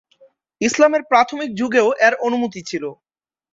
ইসলামের প্রাথমিক যুগেও এর অনুমতি ছিল।